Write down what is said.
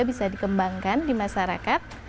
bisa dikembangkan di masyarakat